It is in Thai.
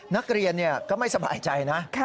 นักเรียนก็ไม่สบายใจนะ